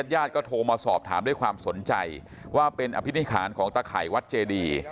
ญาติก็โทรมาสอบถามด้วยความสนใจว่าเป็นอภินิษฐานของตะไข่วัดเจดี